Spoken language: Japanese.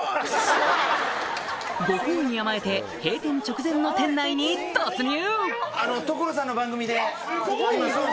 ご厚意に甘えて閉店直前の店内に突入！